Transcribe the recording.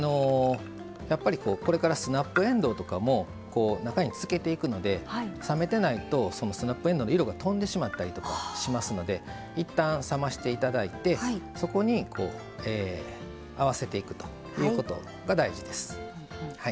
やっぱりこれからスナップえんどうとかも中につけていくので冷めてないとそのスナップえんどうの色がとんでしまったりとかしますのでいったん冷ましていただいてそこに合わせていくということが大事です。